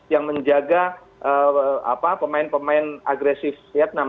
yang menjaga pemain pemain agresif vietnam